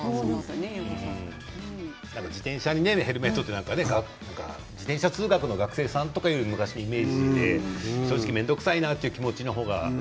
自転車にヘルメットというと自転車通学の学生さんという昔のイメージで面倒くさいなという気持ちの方が。